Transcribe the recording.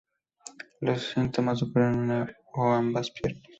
Los síntomas ocurren en una o ambas piernas.